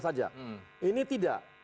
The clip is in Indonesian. saja ini tidak